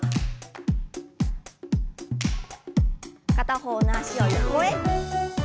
片方の脚を横へ。